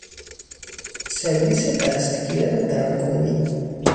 سرویس دستگیره و دمکنی